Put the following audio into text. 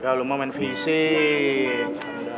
garau lu main fisik